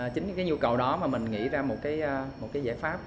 chính cái nhu cầu đó mà mình nghĩ ra một cái giải pháp